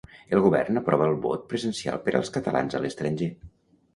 El govern aprova el vot presencial per als catalans a l'estranger.